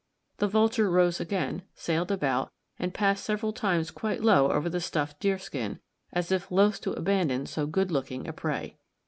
The vulture rose again, sailed about, and passed several times quite low over the stuffed deer skin, as if loth to abandon so good looking a prey.